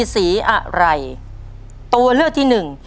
ใช่นักร้องบ้านนอก